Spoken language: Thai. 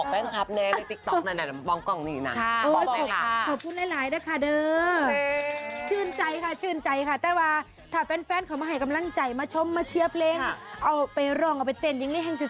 มาถึงปุ๊บดังประมาธิแบบนี้